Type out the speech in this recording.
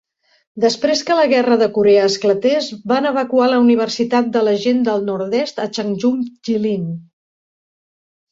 Després que la guerra de Corea esclatés, van evacuar la Universitat de la Gent del Nord-est a Changchun, Jilin.